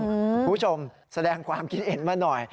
คุณผู้ชมแสดงความคิดเห็นมาหน่อย